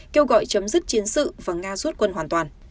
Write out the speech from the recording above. kêu gọi chấm dứt chiến sự và nga rút quân hoàn toàn